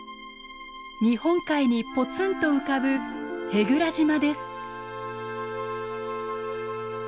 日本海にぽつんと浮かぶ舳倉島です。